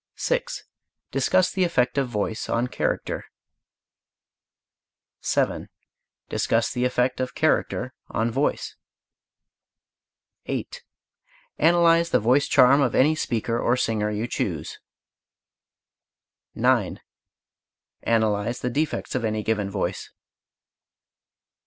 6. Discuss the effect of voice on character. 7. Discuss the effect of character on voice. 8. Analyze the voice charm of any speaker or singer you choose. 9. Analyze the defects of any given voice.